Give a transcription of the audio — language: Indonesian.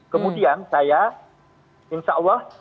kemudian saya insya allah